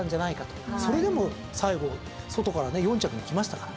それでも最後外から４着に来ましたから。